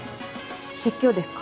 説教ですか？